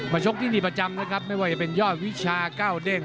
ชกที่นี่ประจำนะครับไม่ว่าจะเป็นยอดวิชาเก้าเด้ง